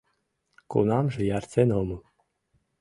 — Кунамже ярсен омыл...